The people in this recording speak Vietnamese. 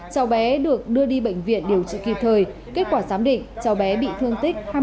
cháu bé được đưa đi bệnh viện điều trị kịp thời kết quả giám định cháu bé bị thương tích hai mươi